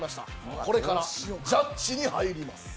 これからジャッジに入ります。